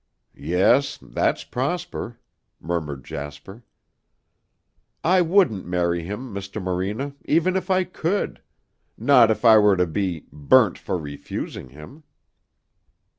'" "Yes. That's Prosper," murmured Jasper. "I wouldn't marry him, Mr. Morena, even if I could not if I were to be burnt for refusing him."